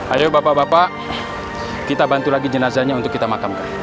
ayo bapak bapak kita bantu lagi jenazahnya untuk kita makamkan